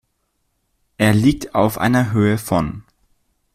Er liegt auf einer Höhe von